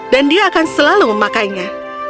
dan dia akan selalu memakainya